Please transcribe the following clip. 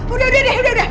udah udah udah